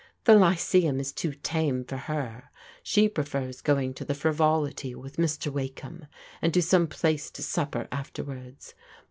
"The Lyceum is too tame for her. She prefers going to the Frivolity with Mr. Wakeham, and to some place to supper afterwards.